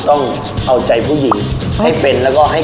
เยอะเบื่อเกิดพลายไง